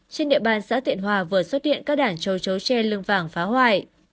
trên địa bàn xã tiện hòa vừa xuất hiện các đàn châu chấu tre lưng vàng phá hoại